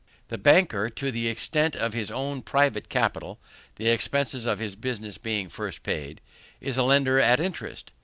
The banker, to the extent of his own private capital, (the expenses of his business being first paid,) is a lender at interest.